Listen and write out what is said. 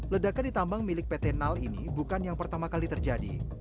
ledakan di tambang milik pt nal ini bukan yang pertama kali terjadi